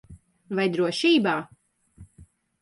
Vai drošībā?